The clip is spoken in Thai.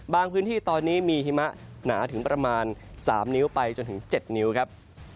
พื้นที่ตอนนี้มีหิมะหนาถึงประมาณ๓นิ้วไปจนถึง๗นิ้วครับ